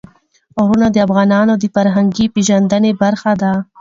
غرونه د افغانانو د فرهنګي پیژندنې برخه ده.